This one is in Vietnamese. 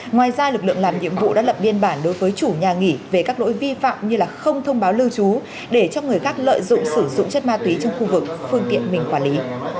ngoài ra lực lượng làm nhiệm vụ đã lập biên bản đối với chủ nhà nghỉ về các lỗi vi phạm như không thông báo lưu trú để cho người khác lợi dụng sử dụng chất ma túy trong khu vực phương tiện mình quản lý